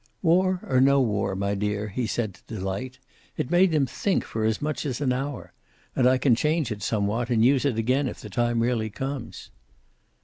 "War or no war, my dear," he said to Delight, "it made them think for as much as an hour. And I can change it somewhat, and use it again, if the time really comes."